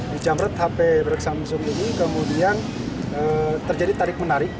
menjamret hp berkesan musuh ini kemudian terjadi tarik menarik